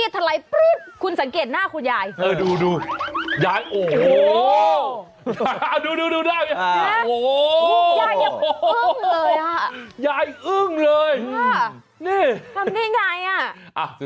ทำได้ยังไง